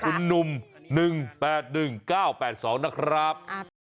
คุณหนุ่ม๑๘๑๙๘๒นะครับ